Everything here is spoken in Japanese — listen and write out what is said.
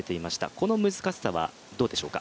この難しさはどうでしょうか？